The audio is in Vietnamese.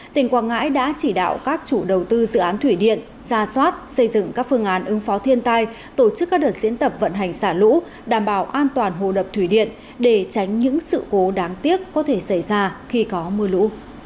tỉnh quảng ngãi đã chỉ đạo các chủ đầu tư dự án thủy điện ra soát xây dựng các phương án ứng phó thiên tai tổ chức các đợt diễn tập vận hành xả lũ đảm bảo an toàn hồ đập thủy điện để tránh những sự cố đáng tiếc có thể xảy ra khi có mưa lũ